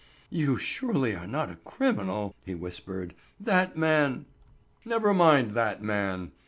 "You surely are not a criminal," he whispered. "That man——" "Never mind that man.